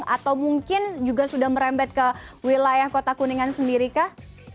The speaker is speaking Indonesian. atau mungkin juga sudah merembet ke wilayah kota kuningan sendiri kah